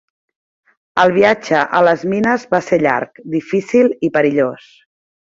El viatge a les mines va ser llarg, difícil i perillós.